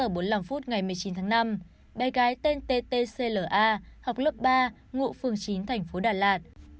bé gái tên ttcla học lớp ba ngụ phường chín thành phố đà lạt